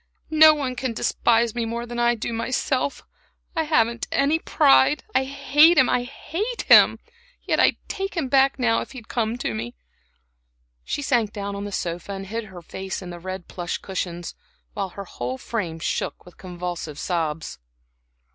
No one can despise me more than I do myself. I haven't any pride. I hate him I hate him; yet I'd take him back now, if he'd come to me." She sank down on the sofa and hid her face in the red plush cushions, while her whole frame shook with convulsive sobs.